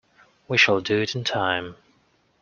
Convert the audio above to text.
We shall do it in time.